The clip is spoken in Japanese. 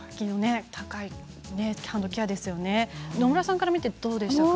野村さんから見てどうですか。